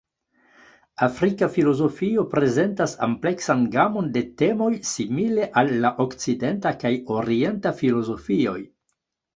Afrika filozofio prezentas ampleksan gamon de temoj simile al la Okcidenta kaj Orienta filozofioj.